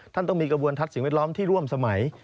ต้องมีกระบวนทัศน์สิ่งแวดล้อมที่ร่วมสมัย